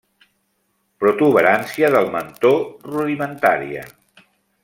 Protuberància del mentó rudimentària.